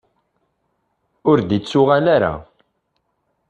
Ur d-ittuɣal ara.